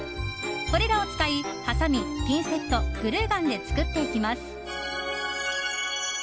これらを使い、はさみピンセット、グルーガンで作っていきます。